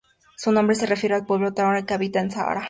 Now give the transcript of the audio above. Su nombre se refiere al pueblo tuareg, que habita el Sahara.